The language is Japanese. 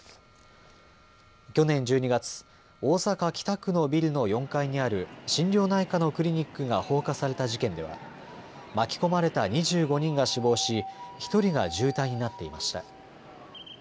去年１２月、大阪北区のビルの４階にある心療内科のクリニックが放火された事件では巻き込まれた２５人が死亡し１人が重体になっていました。